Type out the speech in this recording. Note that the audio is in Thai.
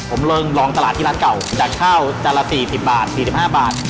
ผมลองตลาดที่ร้านเก่าจากข้าวจานละ๔๐บาท๔๕บาท